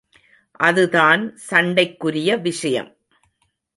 அதுதான் சண்டைக்குரிய விஷயம்.